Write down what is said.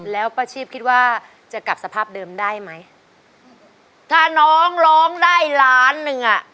แล้วป้าชีพคิดว่าจะกลับสภาพเดิมได้ไหมถ้าน้องร้องได้ล้านหนึ่งอ่ะ